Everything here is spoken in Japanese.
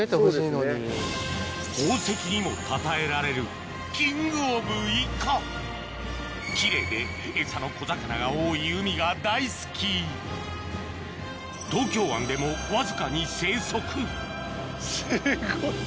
宝石にもたたえられる奇麗でエサの小魚が多い海が大好き東京湾でもわずかに生息すごい。